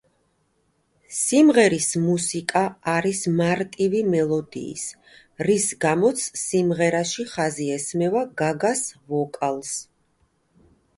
სიმღერის მუსიკა არის მარტივი მელოდიის რის გამოც სიმღერაში ხაზი ესმევა გაგას ვოკალს.